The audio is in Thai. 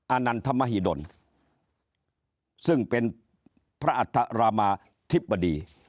อนันทมหิดลซึ่งเป็นพระอัธรามาธิบดี